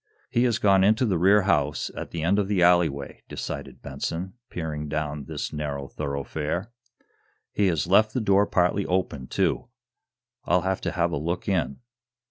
"He has gone into the rear house, at the end of the alleyway," decided Benson, peering down this narrow thoroughfare. "He has left the door partly open, too. I'll have to have a look in."